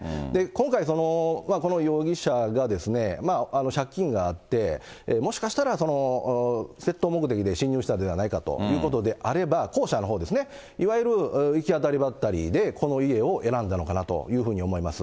今回この容疑者が借金があって、もしかしたら窃盗目的で侵入したのではないかということであれば、後者のほうですね、いわゆる行き当たりばったりで、この家を選んだのかなというふうに思います。